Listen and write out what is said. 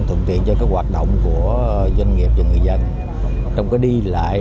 thuận tiện cho cái hoạt động của doanh nghiệp và người dân trong cái đi lại